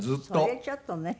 それちょっとね。